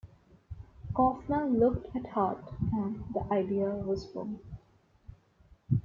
Kaufman looked at Hart and the idea was born.